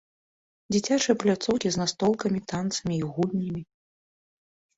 Дзіцячыя пляцоўкі з настолкамі, танцамі і гульнямі.